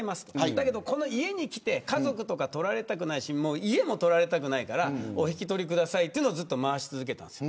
だけど、家に来て家族とか撮られたくないし家も撮られたくないからお引き取りくださいというのを回し続けたんですよ。